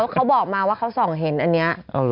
เขาบอกมาว่าเขาส่องเห็นอันนี้